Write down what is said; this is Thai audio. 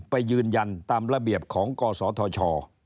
ไปยืนยันตามระเบียบของกศธช